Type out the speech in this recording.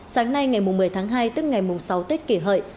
sáng nay ngày một mươi tháng hai tức ngày sáu tết kỷ hợi